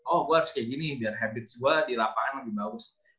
oh gue harus kayak gini biar habit gue di lapangan lebih bagus